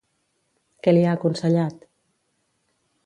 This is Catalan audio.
Què li ha aconsellat?